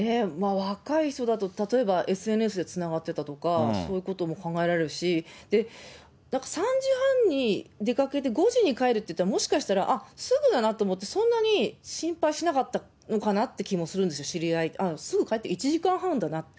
若い人だと、例えばＳＮＳでつながってたとか、そういうことも考えられるし、３時半に出かけて、５時に帰るって、もしかしたら、あっ、すぐだなと思って、そんなに心配しなかったのかなって気もするんです、知り合い、すぐ帰ってくる、１時間半だなって。